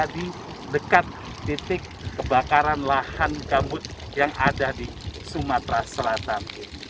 di dekat titik kebakaran lahan gambut yang ada di sumatera selatan